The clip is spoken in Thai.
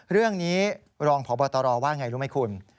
เรื่องนี้รองพบตรว่าไงรู้ไหมคุณ